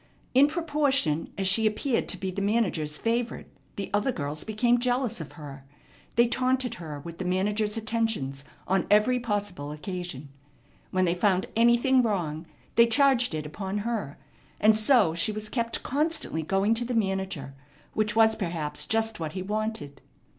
In proportion as she appeared to be the manager's favorite the other girls became jealous of her. They taunted her with the manager's attentions on every possible occasion. When they found anything wrong, they charged it upon her; and so she was kept constantly going to the manager, which was perhaps just what he wanted.